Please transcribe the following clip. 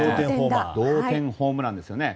同点ホームランですよね。